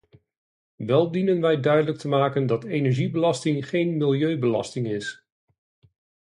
Wel dienen wij duidelijk te maken dat energiebelasting geen milieubelasting is.